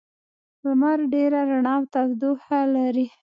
لمر ډېره رڼا او تودوخه لري.